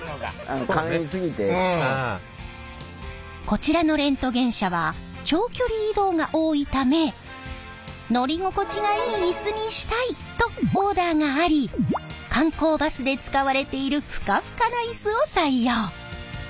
こちらのレントゲン車は長距離移動が多いため乗り心地がいいイスにしたいとオーダーがあり観光バスで使われているふかふかなイスを採用。